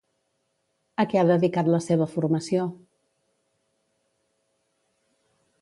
A què ha dedicat la seva formació?